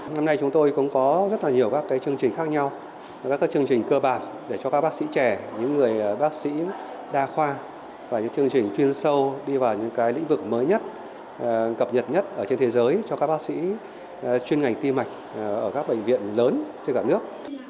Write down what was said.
năm nay chúng tôi cũng có rất là nhiều các chương trình khác nhau các chương trình cơ bản để cho các bác sĩ trẻ những người bác sĩ đa khoa và những chương trình chuyên sâu đi vào những lĩnh vực mới nhất cập nhật nhất ở trên thế giới cho các bác sĩ chuyên ngành tim mạch ở các bệnh viện lớn trên cả nước